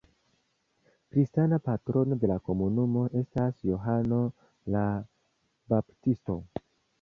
Kristana patrono de la komunumo estas Johano la Baptisto.